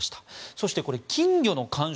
そして金魚の観賞